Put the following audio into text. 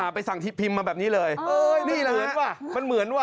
อ่าไปสั่งพิมพ์มาแบบนี้เลยนี่แหละฮะมันเหมือนว่ะ